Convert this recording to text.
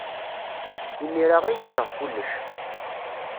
Imir-a ay kkseɣ kullec.